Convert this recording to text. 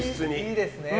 いいですね。